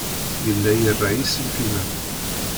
Yella ira iselkimen.